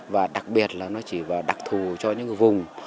và đặc biệt là nó chỉ và đặc thù cho những vùng